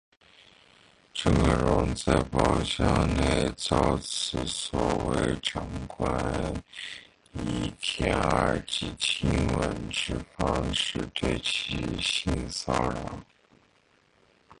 郑可荣在包厢内遭此所谓长官以舔耳及亲吻之方式对其性骚扰。